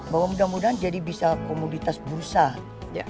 bahwa mudah mudahan jadi bisa komunitas berusaha